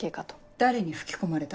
誰に吹き込まれた？